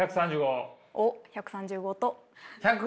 おっ１３５と。